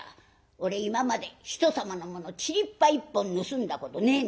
俺今まで人様のものちりっぱ一本盗んだことねえんだぜ」。